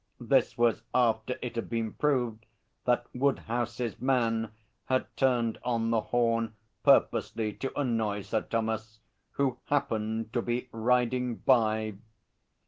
This was after it had been proved that Woodhouse's man had turned on the horn purposely to annoy Sir Thomas, who happened to be riding by'!